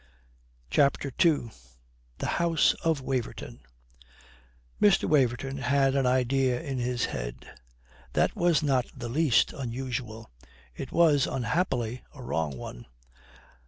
CHAPTER II THE HOUSE OF WAVERTON Mr. Waverton had an idea in his head. That was not the least unusual. It was, unhappily, a wrong one.